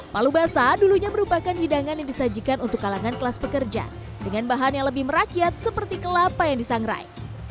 palu basah dulunya merupakan hidangan yang disajikan untuk kalangan kelas pekerja dengan bahan yang lebih merakyat seperti kelapa yang disangrai